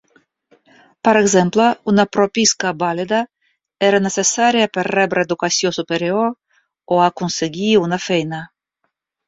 Per exemple, una "propiska" vàlida era necessària per rebre educació superior o aconseguir una feina.